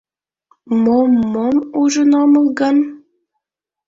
Мом-мом ужын омыл гын?..